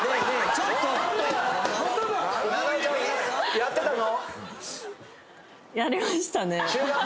やってたの？